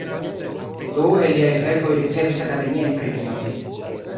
Du el liaj verkoj ricevis akademiajn premiojn.